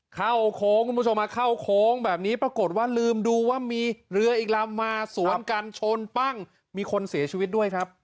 โค้งคุณผู้ชมมาเข้าโค้งแบบนี้ปรากฏว่าลืมดูว่ามีเรืออีกลำมาสวนกันชนปั้งมีคนเสียชีวิตด้วยครับ